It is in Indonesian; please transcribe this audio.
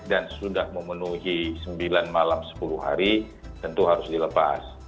dan sudah memenuhi sembilan malam sepuluh hari tentu harus dilepas